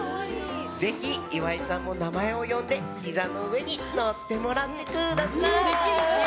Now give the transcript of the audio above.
ぜひ、岩井さんも名前を呼んでひざの上に乗ってもらってみてください。